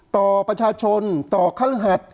ต่อประชาชนต่อคฤหัส